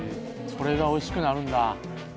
それが美味しくなるんだ。